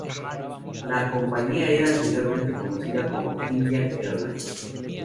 La compañía era anteriormente conocida como Indian Airlines.